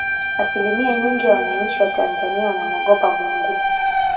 asilimia nyingi ya wananchi wa tanzania wanamuogopa mungu